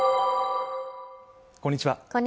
こんにちは